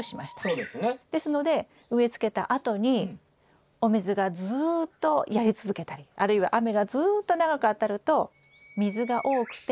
ですので植え付けたあとにお水がずっとやり続けたりあるいは雨がずっと長く当たると水が多くて根が傷むことがあります。